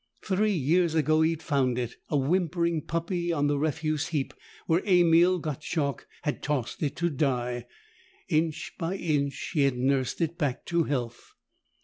Three years ago he'd found it, a whimpering puppy, on the refuse heap where Emil Gottschalk had tossed it to die. Inch by inch, he had nursed it back to health.